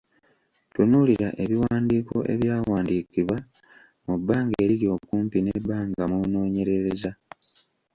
Tunuulira ebiwandiiko ebyakawandiikibwa mu bbanga eriri okumpi n’ebbanga mw’onoonyerereza.